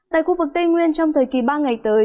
tại khu vực tây nguyên trong thời kỳ ba ngày tới